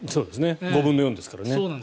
５分の４ですからね。